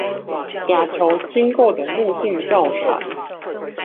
甲球經過的路徑較長